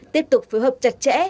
tiếp tục phối hợp chặt chẽ